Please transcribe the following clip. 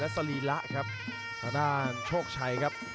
และศรีระครับส่วนด้านโชคชัยครับ